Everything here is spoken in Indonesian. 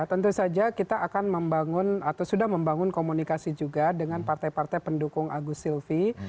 tentu saja kita akan membangun atau sudah membangun komunikasi juga dengan partai partai pendukung agus silvi